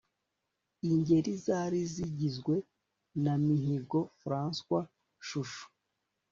Ingeli zari zigizwe na Mihigo François Chouchou